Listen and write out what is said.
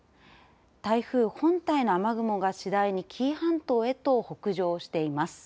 台風本体の雨雲が次第に紀伊半島へと北上しています。